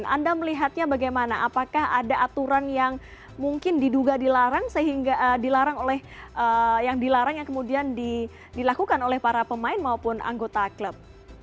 anda melihatnya bagaimana apakah ada aturan yang mungkin diduga dilarang sehingga dilarang oleh yang dilarang yang kemudian dilakukan oleh para pemain maupun anggota klub